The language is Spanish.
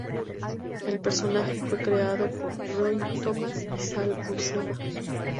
El personaje fue creado por Roy Thomas y Sal Buscema.